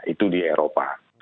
itu di eropa